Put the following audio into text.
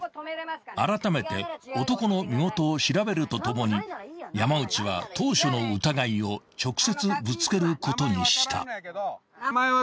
［あらためて男の身元を調べるとともに山内は当初の疑いを直接ぶつけることにした］